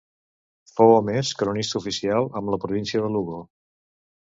Fou a més cronista oficial amb la Província de Lugo.